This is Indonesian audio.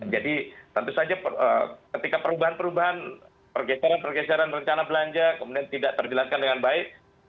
jadi tentu saja ketika perubahan perubahan pergeseran pergeseran rencana belanja kemudian tidak terjelaskan dengan baik